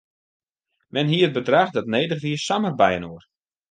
Men hie it bedrach dat nedich wie samar byinoar.